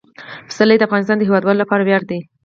پسرلی د افغانستان د هیوادوالو لپاره ویاړ دی.